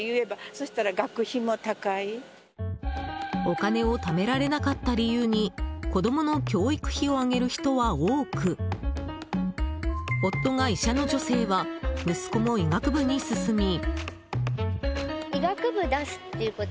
お金をためられなかった理由に子供の教育費を挙げる人は多く夫が医者の女性は息子も医学部に進み。